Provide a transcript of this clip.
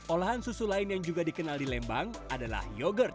olahan susu lain yang juga dikenal di lembang adalah yogurt